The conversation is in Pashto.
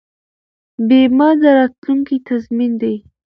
بیمه د راتلونکي تضمین دی.